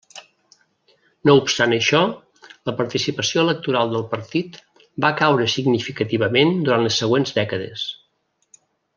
No obstant això, la participació electoral del partit va caure significativament durant les següents dècades.